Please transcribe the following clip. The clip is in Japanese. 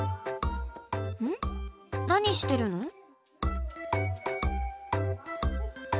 何してるの？